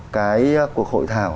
cái cuộc hội thảo